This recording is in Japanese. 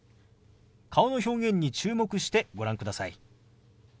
顔の表現に注目してご覧ください。